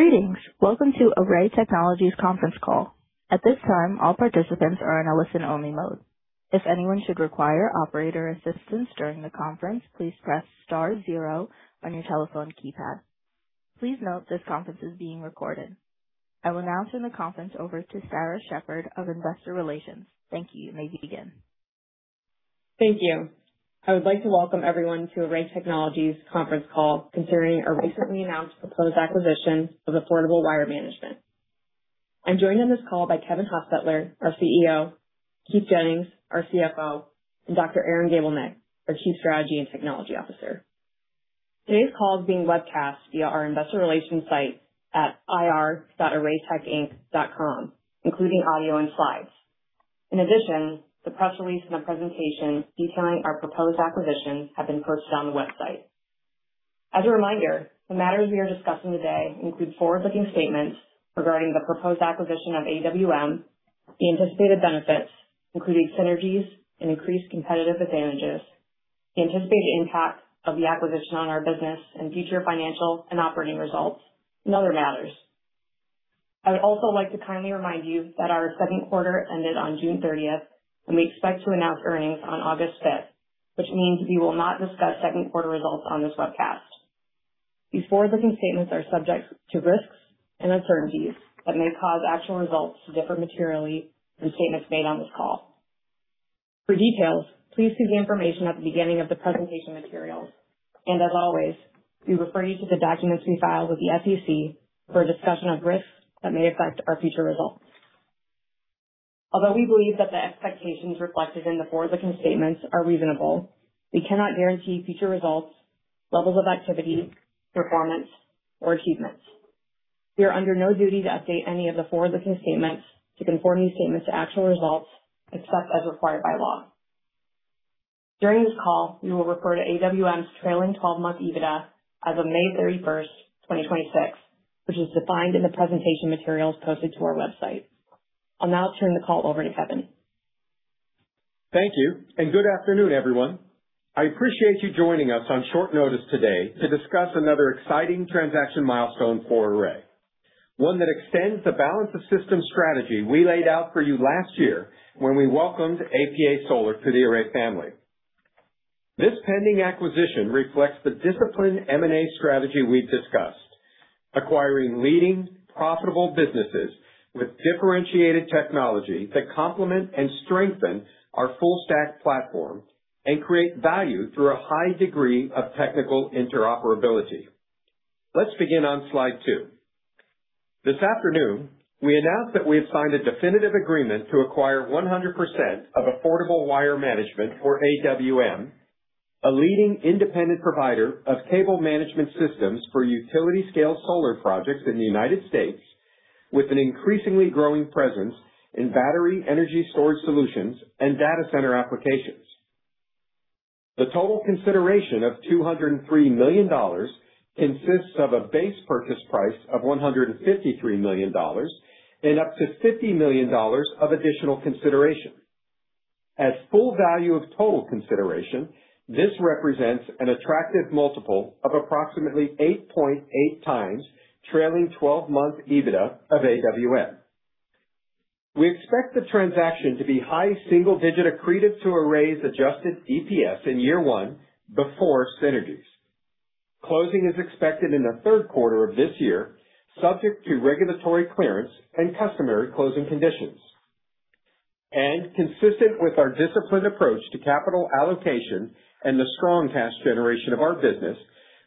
Greetings. Welcome to Array Technologies conference call. At this time, all participants are in a listen-only mode. If anyone should require operator assistance during the conference, please press star zero on your telephone keypad. Please note this conference is being recorded. I will now turn the conference over to Sarah Sheppard of Investor Relations. Thank you. You may begin. Thank you. I would like to welcome everyone to Array Technologies conference call concerning our recently announced proposed acquisition of Affordable Wire Management. I am joined on this call by Kevin Hostetler, our CEO, Keith Jennings, our CFO, and Dr. Aaron Gabelnick, our Chief Strategy and Technology Officer. Today's call is being webcast via our investor relations site at ir.arraytechinc.com, including audio and slides. In addition, the press release and the presentation detailing our proposed acquisition have been posted on the website. As a reminder, the matters we are discussing today include forward-looking statements regarding the proposed acquisition of AWM, the anticipated benefits, including synergies and increased competitive advantages, the anticipated impact of the acquisition on our business and future financial and operating results, and other matters. I would also like to kindly remind you that our second quarter ended on June 30th, and we expect to announce earnings on August 5th, which means we will not discuss second quarter results on this webcast. These forward-looking statements are subject to risks and uncertainties that may cause actual results to differ materially from statements made on this call. For details, please see the information at the beginning of the presentation materials. As always, we refer you to the documents we filed with the SEC for a discussion of risks that may affect our future results. Although we believe that the expectations reflected in the forward-looking statements are reasonable, we cannot guarantee future results, levels of activity, performance, or achievements. We are under no duty to update any of the forward-looking statements to conform these statements to actual results, except as required by law. During this call, we will refer to AWM's trailing 12-month EBITDA as of May 31st, 2026, which is defined in the presentation materials posted to our website. I will now turn the call over to Kevin. Thank you. Good afternoon, everyone. I appreciate you joining us on short notice today to discuss another exciting transaction milestone for Array. One that extends the balance of system strategy we laid out for you last year when we welcomed APA Solar to the Array family. This pending acquisition reflects the disciplined M&A strategy we've discussed. Acquiring leading profitable businesses with differentiated technology to complement and strengthen our full stack platform and create value through a high degree of technical interoperability. Let's begin on slide two. This afternoon, we announced that we have signed a definitive agreement to acquire 100% of Affordable Wire Management or AWM, a leading independent provider of cable management systems for utility-scale solar projects in the United States, with an increasingly growing presence in battery energy storage solutions and data center applications. The total consideration of $203 million consists of a base purchase price of $153 million and up to $50 million of additional consideration. At full value of total consideration, this represents an attractive multiple of approximately 8.8x trailing 12-month EBITDA of AWM. We expect the transaction to be high single digit accretive to Array's adjusted EPS in year one before synergies. Closing is expected in the third quarter of this year, subject to regulatory clearance and customary closing conditions. Consistent with our disciplined approach to capital allocation and the strong cash generation of our business,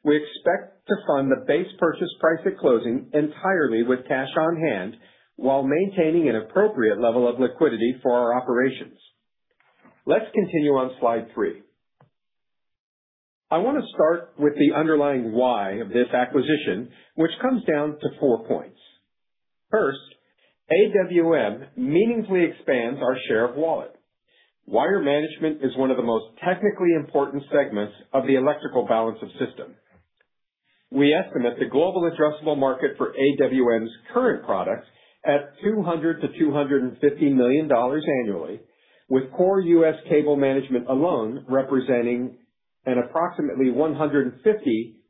we expect to fund the base purchase price at closing entirely with cash on hand while maintaining an appropriate level of liquidity for our operations. Let's continue on slide three. I want to start with the underlying why of this acquisition, which comes down to four points. First, AWM meaningfully expands our share of wallet. Wire management is one of the most technically important segments of the electrical balance of system. We estimate the global addressable market for AWM's current products at $200 million-$250 million annually, with core U.S. cable management alone representing an approximately $150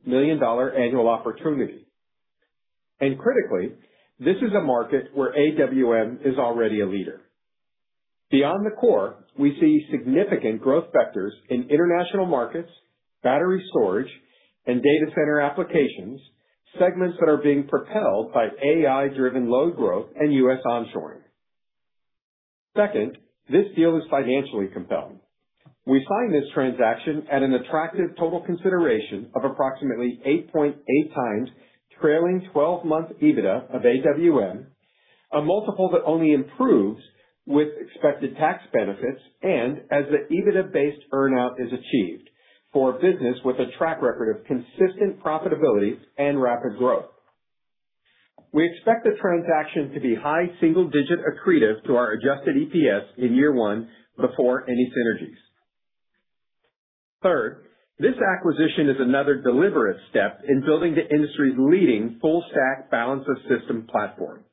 million annual opportunity. Critically, this is a market where AWM is already a leader. Beyond the core, we see significant growth vectors in international markets, battery storage, and data center applications, segments that are being propelled by AI-driven load growth and U.S. onshoring. Second, this deal is financially compelling. We signed this transaction at an attractive total consideration of approximately 8.8x trailing 12-month EBITDA of AWM, a multiple that only improves with expected tax benefits and as the EBITDA-based earn-out is achieved for a business with a track record of consistent profitability and rapid growth. We expect the transaction to be high single digit accretive to our adjusted EPS in year one before any synergies. Third, this acquisition is another deliberate step in building the industry's leading full stack balance of system platform.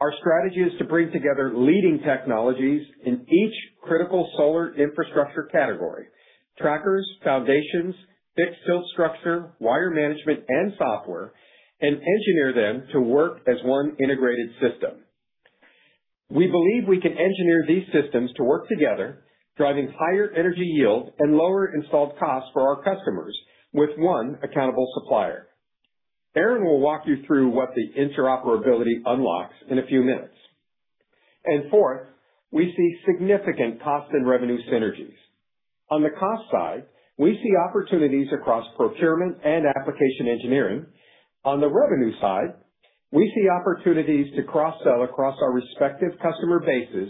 Our strategy is to bring together leading technologies in each critical solar infrastructure category: trackers, foundations, fixed-tilt structure, wire management, and software. Engineer them to work as one integrated system. We believe we can engineer these systems to work together, driving higher energy yield and lower installed costs for our customers with one accountable supplier. Aaron will walk you through what the interoperability unlocks in a few minutes. Fourth, we see significant cost and revenue synergies. On the cost side, we see opportunities across procurement and application engineering. On the revenue side, we see opportunities to cross-sell across our respective customer bases,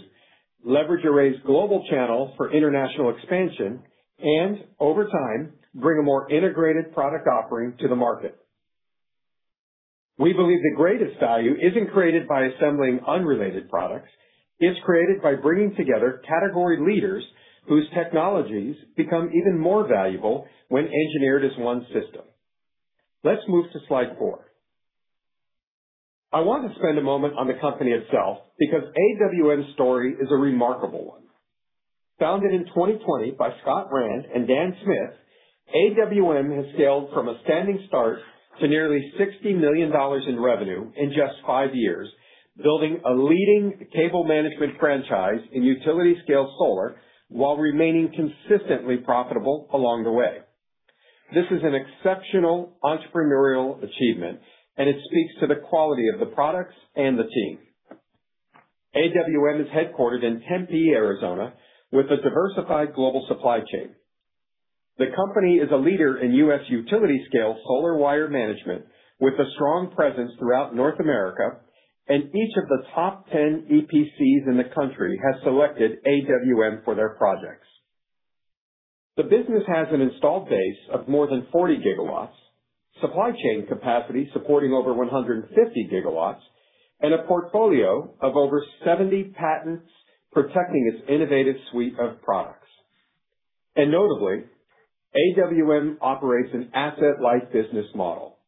leverage Array's global channel for international expansion, and over time, bring a more integrated product offering to the market. We believe the greatest value isn't created by assembling unrelated products. It's created by bringing together category leaders whose technologies become even more valuable when engineered as one system. Let's move to slide four. I want to spend a moment on the company itself because AWM's story is a remarkable one. Founded in 2020 by Scott Rand and Dan Smith, AWM has scaled from a standing start to nearly $60 million in revenue in just five years, building a leading cable management franchise in utility-scale solar while remaining consistently profitable along the way. This is an exceptional entrepreneurial achievement, and it speaks to the quality of the products and the team. AWM is headquartered in Tempe, Arizona, with a diversified global supply chain. The company is a leader in U.S. utility-scale solar wire management with a strong presence throughout North America, each of the top 10 EPCs in the country has selected AWM for their projects. The business has an installed base of more than 40 GW, supply chain capacity supporting over 150 GW, and a portfolio of over 70 patents protecting its innovative suite of products. Notably, AWM operates an asset-light business model.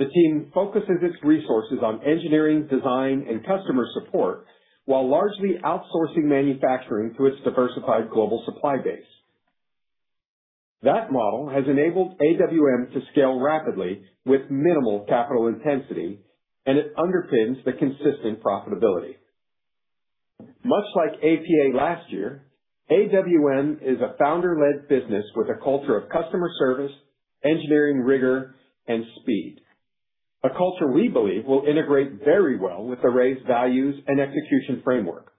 The team focuses its resources on engineering, design, and customer support while largely outsourcing manufacturing through its diversified global supply base. That model has enabled AWM to scale rapidly with minimal capital intensity, and it underpins the consistent profitability. Much like APA last year, AWM is a founder-led business with a culture of customer service, engineering rigor, and speed, a culture we believe will integrate very well with Array's values and execution framework.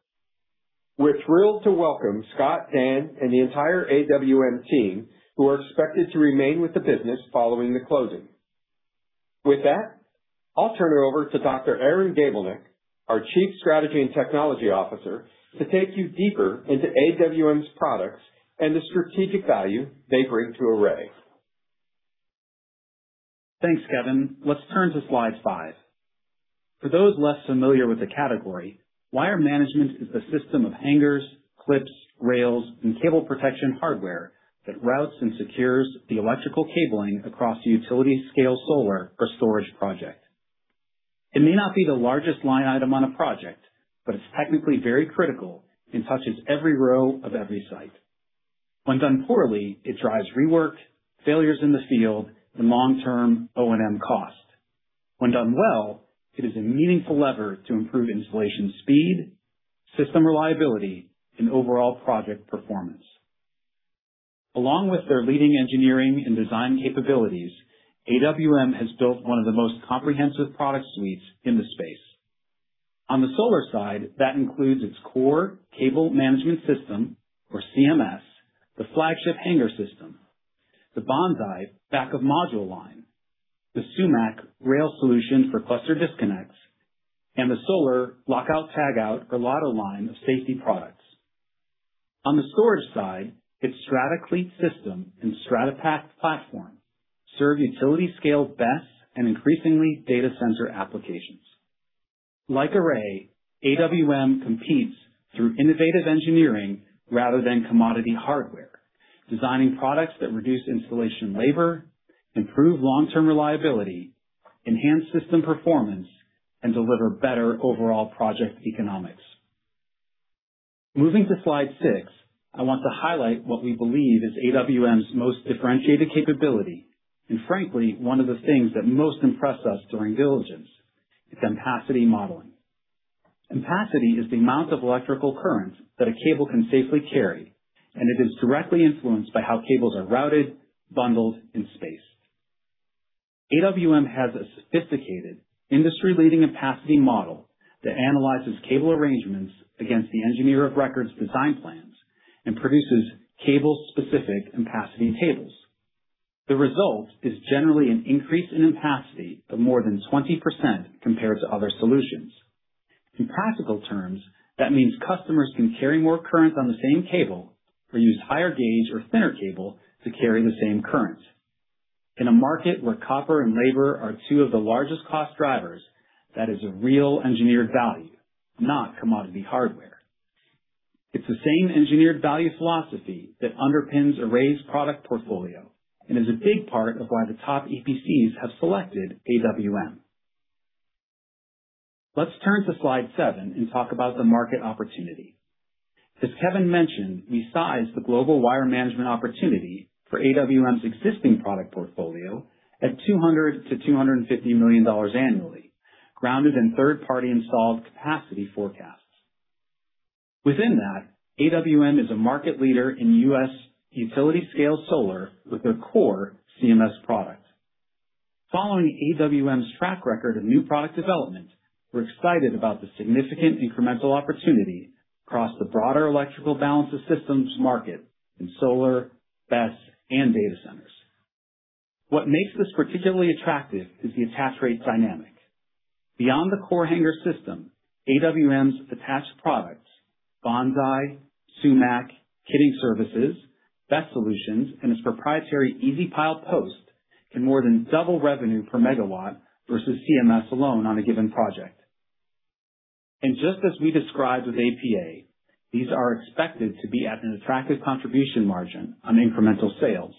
We're thrilled to welcome Scott, Dan, and the entire AWM team, who are expected to remain with the business following the closing. With that, I'll turn it over to Dr. Aaron Gabelnick, our Chief Strategy and Technology Officer, to take you deeper into AWM's products and the strategic value they bring to Array. Thanks, Kevin. Let's turn to slide five. For those less familiar with the category, wire management is the system of hangers, clips, rails, and cable protection hardware that routes and secures the electrical cabling across a utility-scale solar or storage project. It may not be the largest line item on a project, but it's technically very critical and touches every row of every site. When done poorly, it drives rework, failures in the field, and long-term O&M costs. When done well, it is a meaningful lever to improve installation speed, system reliability, and overall project performance. Along with their leading engineering and design capabilities, AWM has built one of the most comprehensive product suites in the space. On the solar side, that includes its core Cable Management System, or CMS, the flagship hanger system, the Bonsai back-of-module line, the Sumac Rail solution for cluster disconnects, and the Solar LOTO line of safety products. On the storage side, its Strata Cleat system and Strata Pack platform serve utility-scale BESS and increasingly data center applications. Like Array, AWM competes through innovative engineering rather than commodity hardware, designing products that reduce installation labor, improve long-term reliability, enhance system performance, and deliver better overall project economics. Moving to slide six, I want to highlight what we believe is AWM's most differentiated capability, and frankly, one of the things that most impressed us during diligence. It's ampacity modeling. Ampacity is the amount of electrical current that a cable can safely carry, and it is directly influenced by how cables are routed, bundled, and spaced. AWM has a sophisticated industry-leading ampacity model that analyzes cable arrangements against the engineer of records design plans and produces cable-specific ampacity tables. The result is generally an increase in ampacity of more than 20% compared to other solutions. In practical terms, that means customers can carry more current on the same cable or use higher gauge or thinner cable to carry the same current. In a market where copper and labor are two of the largest cost drivers, that is a real engineered value, not commodity hardware. It's the same engineered value philosophy that underpins Array's product portfolio and is a big part of why the top EPCs have selected AWM. Let's turn to slide seven and talk about the market opportunity. As Kevin mentioned, we sized the global wire management opportunity for AWM's existing product portfolio at $200 million-$250 million annually, grounded in third-party installed capacity forecasts. Within that, AWM is a market leader in U.S. utility-scale solar with their core CMS product. Following AWM's track record of new product development, we're excited about the significant incremental opportunity across the broader electrical balances systems market in solar, BESS, and data centers. What makes this particularly attractive is the attach rate dynamic. Beyond the core hanger system, AWM's attached products, Bonsai, Sumac, kitting services, BESS solutions, and its proprietary EZ Pile post can more than double revenue per megawatt versus CMS alone on a given project. Just as we described with APA, these are expected to be at an attractive contribution margin on incremental sales,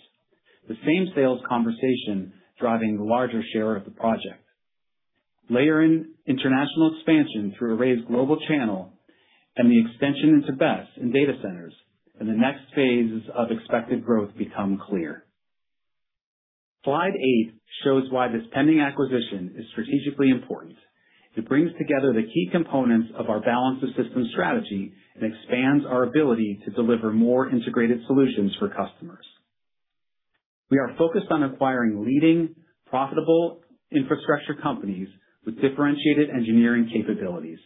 the same sales conversation driving the larger share of the project. Layering international expansion through Array's global channel and the extension into BESS and data centers, the next phases of expected growth become clear. Slide eight shows why this pending acquisition is strategically important. It brings together the key components of our balances systems strategy and expands our ability to deliver more integrated solutions for customers. We are focused on acquiring leading profitable infrastructure companies with differentiated engineering capabilities.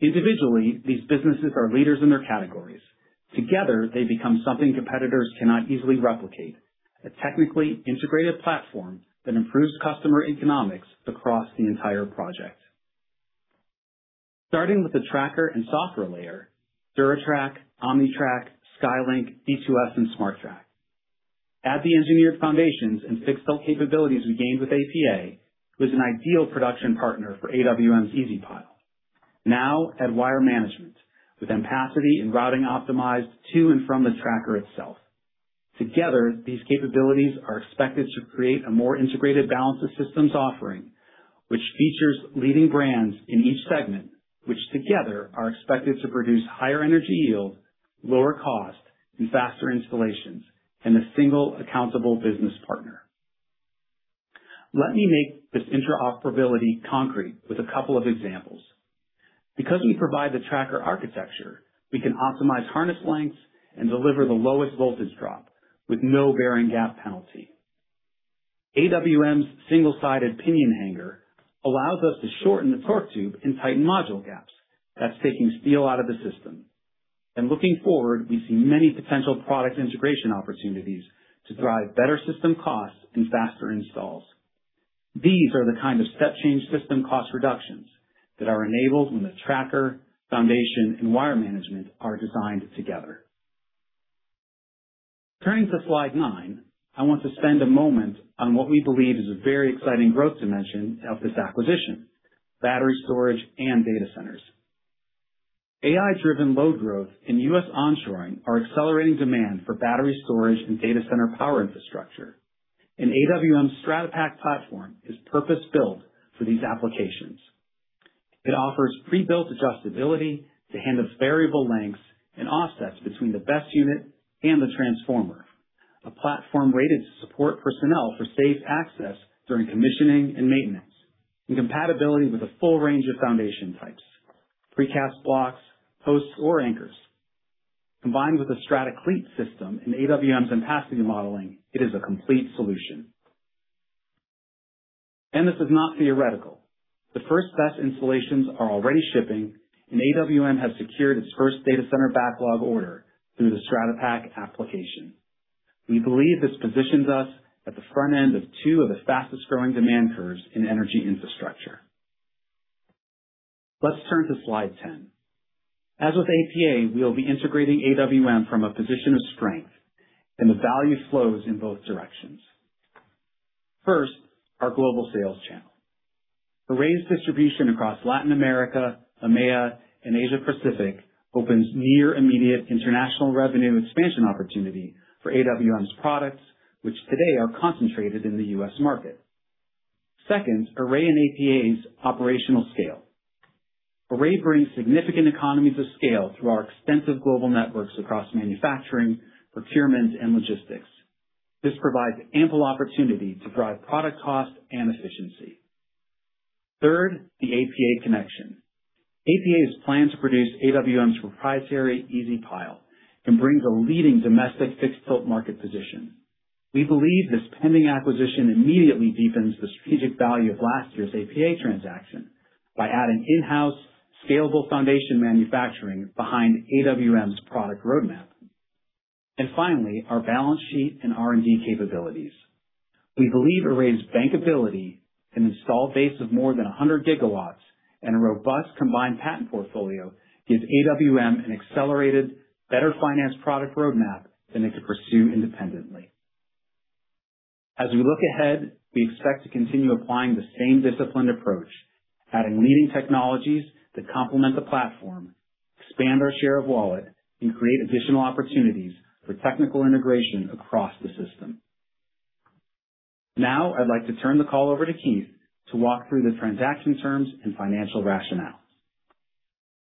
Individually, these businesses are leaders in their categories. Together, they become something competitors cannot easily replicate, a technically integrated platform that improves customer economics across the entire project. Starting with the tracker and software layer, DuraTrack, OmniTrack, SkyLink, D2S, and SmarTrack. Add the engineered foundations and fixed tilt capabilities we gained with APA. It was an ideal production partner for AWM's EZ Pile. Add wire management with ampacity and routing optimized to and from the tracker itself. Together, these capabilities are expected to create a more integrated balance of systems offering, which features leading brands in each segment, which together are expected to produce higher energy yield, lower cost, and faster installations, and a single accountable business partner. Let me make this interoperability concrete with a couple of examples. Because we provide the tracker architecture, we can optimize harness lengths and deliver the lowest voltage drop with no bearing gap penalty. AWM's single-sided pinion hanger allows us to shorten the torque tube and tighten module gaps. That's taking steel out of the system. Looking forward, we see many potential product integration opportunities to drive better system costs and faster installs. These are the kind of step change system cost reductions that are enabled when the tracker, foundation, and wire management are designed together. Turning to slide nine, I want to spend a moment on what we believe is a very exciting growth dimension of this acquisition, battery storage and data centers. AI-driven load growth and U.S. onshoring are accelerating demand for battery storage and data center power infrastructure. AWM's Strata Pack platform is purpose-built for these applications. It offers pre-built adjustability to handle variable lengths and offsets between the BESS unit and the transformer. A platform rated to support personnel for safe access during commissioning and maintenance, and compatibility with a full range of foundation types, precast blocks, posts, or anchors. Combined with a Strata Cleat system and AWM's ampacity modeling, it is a complete solution. This is not theoretical. The first BESS installations are already shipping, and AWM has secured its first data center backlog order through the Strata Pack application. We believe this positions us at the front end of two of the fastest-growing demand curves in energy infrastructure. Let's turn to slide 10. As with APA, we'll be integrating AWM from a position of strength, and the value flows in both directions. First, our global sales channel. Array's distribution across Latin America, EMEA, and Asia-Pacific opens near immediate international revenue expansion opportunity for AWM's products, which today are concentrated in the U.S. market. Second, Array and APA's operational scale. Array brings significant economies of scale through our extensive global networks across manufacturing, procurement, and logistics. This provides ample opportunity to drive product cost and efficiency. Third, the APA connection. APA's plan to produce AWM's proprietary EZ Pile can bring a leading domestic fixed tilt market position. We believe this pending acquisition immediately deepens the strategic value of last year's APA transaction by adding in-house scalable foundation manufacturing behind AWM's product roadmap. Finally, our balance sheet and R&D capabilities. We believe Array's bankability, an installed base of more than 100 gigawatts, and a robust combined patent portfolio gives AWM an accelerated better finance product roadmap than it could pursue independently. As we look ahead, we expect to continue applying the same disciplined approach, adding leading technologies that complement the platform, expand our share of wallet, and create additional opportunities for technical integration across the system. I'd like to turn the call over to Keith to walk through the transaction terms and financial rationale.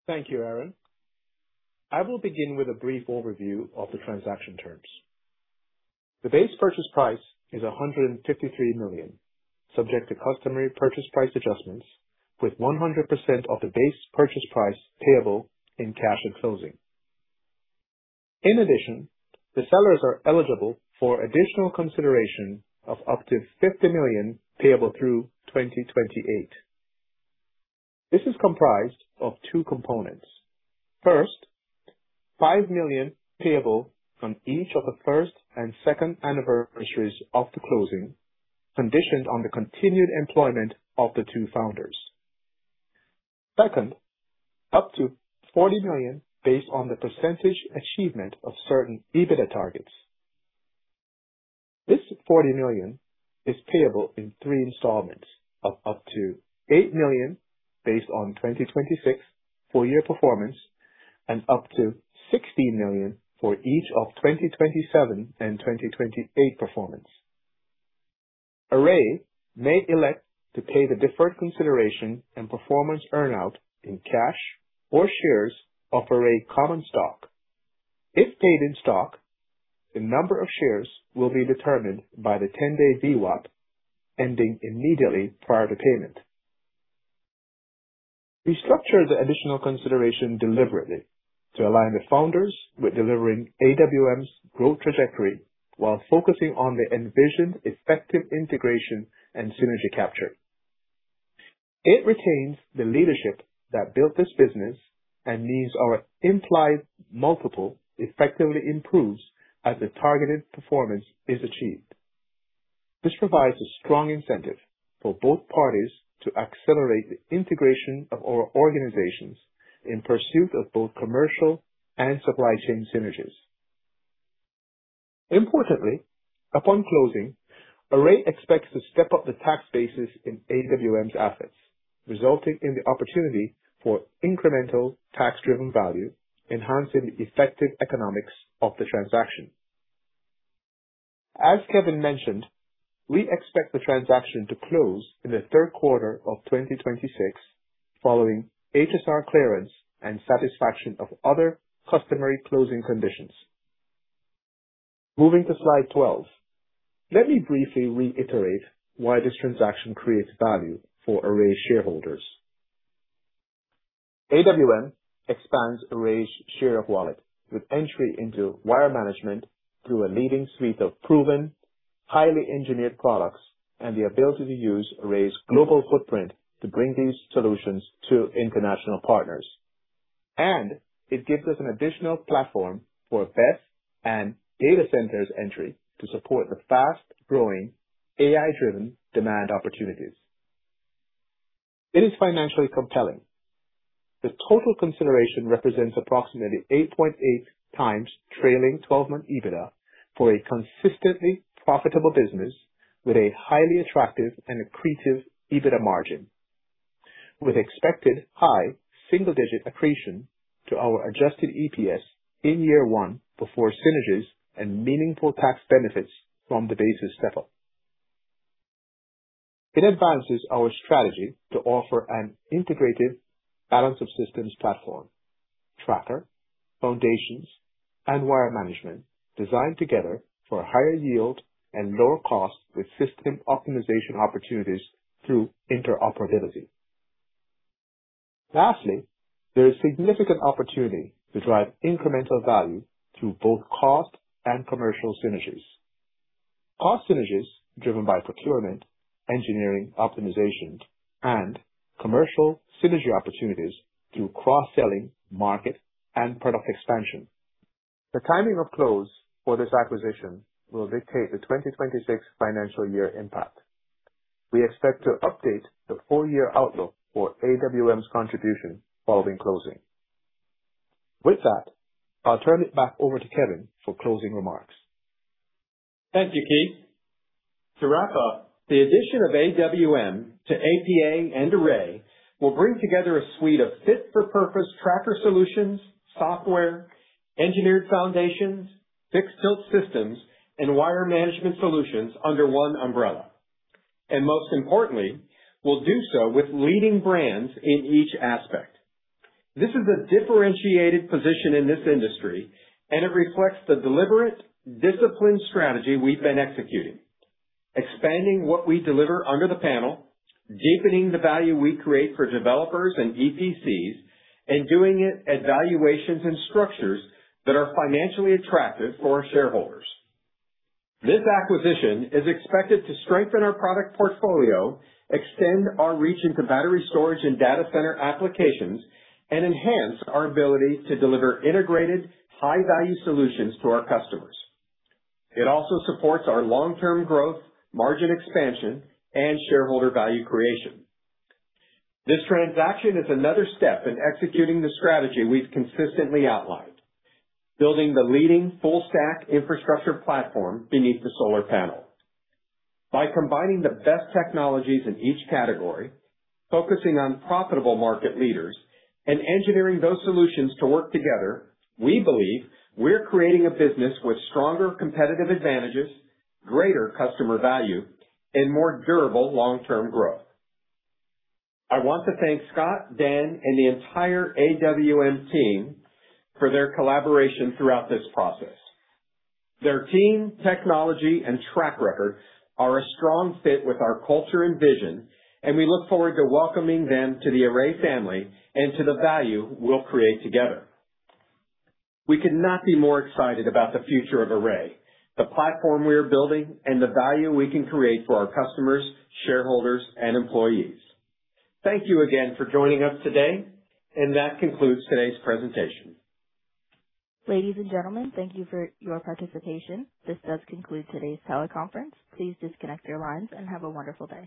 Thank you, Aaron. I will begin with a brief overview of the transaction terms. The base purchase price is $153 million, subject to customary purchase price adjustments, with 100% of the base purchase price payable in cash at closing. In addition, the sellers are eligible for additional consideration of up to $50 million payable through 2028. This is comprised of two components. First, $5 million payable on each of the first and second anniversaries of the closing, conditioned on the continued employment of the two founders. Second, up to $40 million based on the percentage achievement of certain EBITDA targets. This $40 million is payable in three installments of up to $8 million based on 2026 full-year performance, and up to $16 million for each of 2027 and 2028 performance. Array may elect to pay the deferred consideration and performance earn-out in cash or shares of Array common stock. If paid in stock, the number of shares will be determined by the 10-day VWAP ending immediately prior to payment. We structured the additional consideration deliberately to align the founders with delivering AWM's growth trajectory while focusing on the envisioned effective integration and synergy capture. It retains the leadership that built this business and means our implied multiple effectively improves as the targeted performance is achieved. This provides a strong incentive for both parties to accelerate the integration of our organizations in pursuit of both commercial and supply chain synergies. Importantly, upon closing, Array expects to step up the tax basis in AWM's assets, resulting in the opportunity for incremental tax-driven value, enhancing the effective economics of the transaction. As Kevin mentioned, we expect the transaction to close in the third quarter of 2026, following HSR clearance and satisfaction of other customary closing conditions. Moving to slide 12. Let me briefly reiterate why this transaction creates value for Array shareholders. AWM expands Array's share of wallet with entry into wire management through a leading suite of proven, highly engineered products and the ability to use Array's global footprint to bring these solutions to international partners. It gives us an additional platform for BESS and data centers entry to support the fast-growing AI-driven demand opportunities. It is financially compelling. The total consideration represents approximately 8.8x trailing 12-month EBITDA for a consistently profitable business with a highly attractive and accretive EBITDA margin. With expected high single-digit accretion to our adjusted EPS in year one before synergies and meaningful tax benefits from the basis step-up. It advances our strategy to offer an integrated balance of systems platform, tracker, foundations, and wire management designed together for higher yield and lower cost with system optimization opportunities through interoperability. Lastly, there is significant opportunity to drive incremental value through both cost and commercial synergies. Cost synergies driven by procurement, engineering optimizations, and commercial synergy opportunities through cross-selling, market, and product expansion. The timing of close for this acquisition will dictate the 2026 financial year impact. We expect to update the full-year outlook for AWM's contribution following closing. With that, I'll turn it back over to Kevin for closing remarks. Thank you, Keith. To wrap up, the addition of AWM to APA and Array will bring together a suite of fit-for-purpose tracker solutions, software, engineered foundations, fixed tilt systems, and wire management solutions under one umbrella. Most importantly, will do so with leading brands in each aspect. This is a differentiated position in this industry, and it reflects the deliberate, disciplined strategy we've been executing. Expanding what we deliver under the panel, deepening the value we create for developers and EPCs, and doing it at valuations and structures that are financially attractive for our shareholders. This acquisition is expected to strengthen our product portfolio, extend our reach into battery storage and data center applications, and enhance our ability to deliver integrated high-value solutions to our customers. It also supports our long-term growth, margin expansion, and shareholder value creation. This transaction is another step in executing the strategy we've consistently outlined. Building the leading full stack infrastructure platform beneath the solar panel. By combining the best technologies in each category, focusing on profitable market leaders, and engineering those solutions to work together, we believe we're creating a business with stronger competitive advantages, greater customer value, and more durable long-term growth. I want to thank Scott, Dan, and the entire AWM team for their collaboration throughout this process. Their team, technology, and track record are a strong fit with our culture and vision, and we look forward to welcoming them to the Array family and to the value we'll create together. We could not be more excited about the future of Array, the platform we are building, and the value we can create for our customers, shareholders, and employees. Thank you again for joining us today. That concludes today's presentation. Ladies and gentlemen, thank you for your participation. This does conclude today's teleconference. Please disconnect your lines and have a wonderful day.